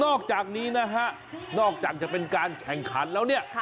อกจากนี้นะฮะนอกจากจะเป็นการแข่งขันแล้วเนี่ย